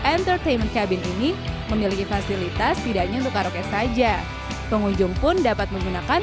entertainment cabin ini memiliki fasilitas tidak hanya untuk karaoke saja pengunjung pun dapat menggunakan